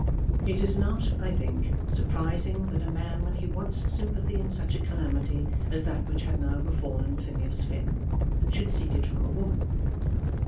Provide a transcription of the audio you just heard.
It is not, I think, surprising that a man when he wants sympathy in such a calamity as that which had now befallen Phineas Finn, should seek it from a woman.